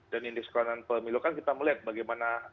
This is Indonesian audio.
dan indeks kerawanan pemilu kan kita melihat bagaimana